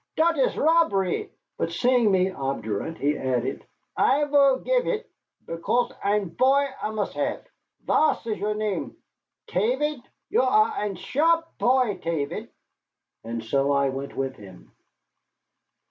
Dot is robbery." But seeing me obdurate, he added: "I vill give it, because ein poy I must have. Vat is your name, Tavid? You are ein sharp poy, Tavid." And so I went with him.